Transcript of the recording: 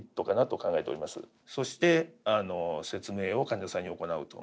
そして説明を患者さんに行うと。